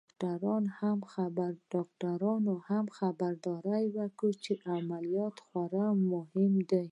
ډاکترانو هم خبرداری راکړ چې عمليات خورا مهم دی.